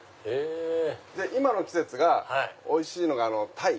今の季節がおいしいのがタイ。